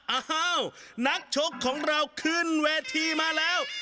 อ้าวนักชกของเราขึ้นเวทีมาแล้ว